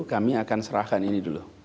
kami akan serahkan ini dulu